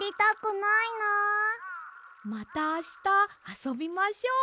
またあしたあそびましょう！